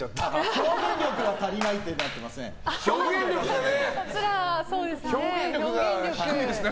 表現力が足りないってなってますね。